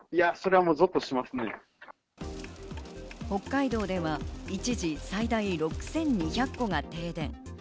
北海道では一時最大６２００戸が停電。